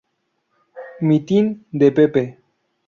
Mitin de "pepe".